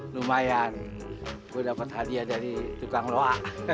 lumayan gue dapat hadiah dari tukang loa